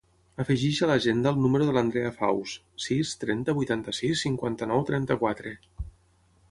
Afegeix a l'agenda el número de l'Andrea Faus: sis, trenta, vuitanta-sis, cinquanta-nou, trenta-quatre.